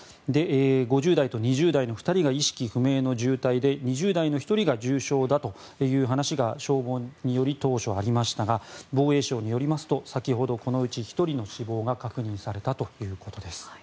５０代と２０代の２人が意識不明の重体で２０代の１人が重傷だという話が消防により当初、ありましたが防衛省によりますと先ほど、このうち１人の死亡が確認されたということです。